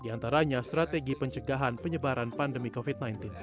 di antaranya strategi pencegahan penyebaran pandemi covid sembilan belas